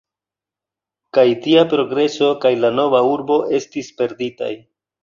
Kaj tia progreso kaj la nova urbo estis perditaj.